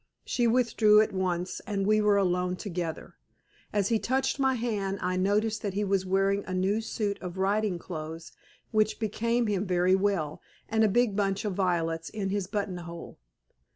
She withdrew at once, and we were alone together. As he touched my hand I noticed that he was wearing a new suit of riding clothes, which became him very well, and a big bunch of violets in his buttonhole.